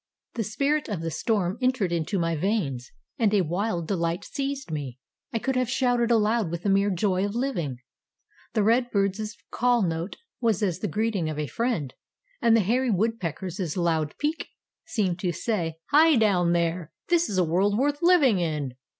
The spirit of the storm entered into my veins and a wild delight seized me. I could have shouted aloud with the mere joy of living. The redbird's call note was as the greeting of a friend, and the hairy woodpecker's loud "pique" seemed to say "Hi! down there; this is a world worth living in!"